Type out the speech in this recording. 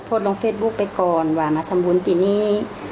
ลงเฟซบุ๊คไปก่อนว่ามาทำบุญที่นี้